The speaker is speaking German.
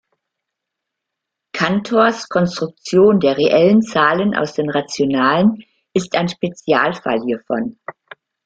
Cantors Konstruktion der reellen Zahlen aus den rationalen ist ein Spezialfall hiervon.